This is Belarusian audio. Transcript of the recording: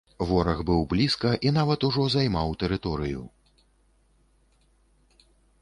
Вораг быў блізка і нават ужо займаў тэрыторыю.